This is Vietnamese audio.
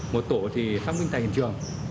một tổ thì xác minh tại hiện trường